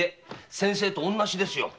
先生と同じですよ。